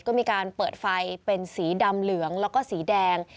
ก็มีการเปิดไฟเป็นสีดำเหลืองแล้วก็สีแดง